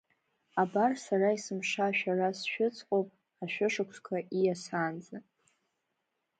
Абар, Сара есымша шәара сшәыцҟоуп ашәы-шықәсқәа ииасаанӡа.